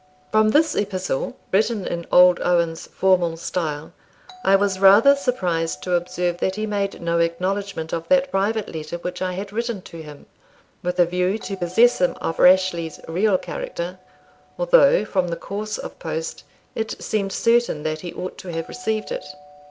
From this epistle, written in old Owen's formal style, I was rather surprised to observe that he made no acknowledgment of that private letter which I had written to him, with a view to possess him of Rashleigh's real character, although, from the course of post, it seemed certain that he ought to have received it.